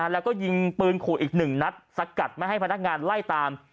แล้วก็ยิงปืนขู่อีกหนึ่งนัดสกัดไม่ให้พนักงานไล่ตาม